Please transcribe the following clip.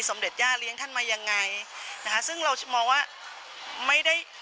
เด็จย่าเลี้ยงท่านมายังไงนะคะซึ่งเรามองว่าไม่ได้